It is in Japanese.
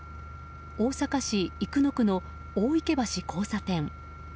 大阪市生野区の大池橋交差点。